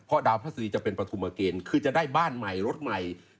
เพราะดาวภาษีจะเป็นประทุมาเกณฑ์จะได้บ้านใหม่รถใหม่